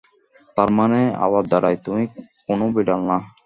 তারমানে আবার দাঁড়ায়, তুমি কোন বিড়াল না।